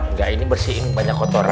enggak ini bersihin banyak kotoran